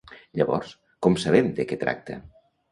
Llavors, com sabem de què tracta?